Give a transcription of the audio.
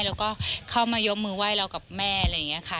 แล้วก็เข้ามายกมือไหว้เรากับแม่อะไรอย่างนี้ค่ะ